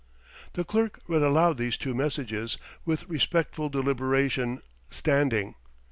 The Clerk read aloud these two messages, with respectful deliberation, standing.